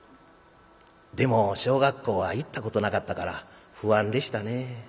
でも小学校は行ったことなかったから不安でしたねえ。